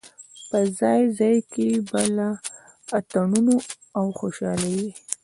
په ځای ځای کې به لا اتڼونه او خوشالۍ وې.